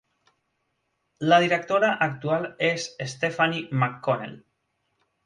La directora actual és Stephanie McConnell.